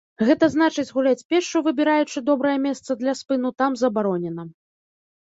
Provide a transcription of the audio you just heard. Гэта значыць, гуляць пешшу, выбіраючы добрае месца для спыну, там забаронена.